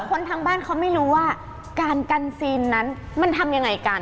คนทางบ้านเขาไม่รู้ว่าการกันซีนนั้นมันทำยังไงกัน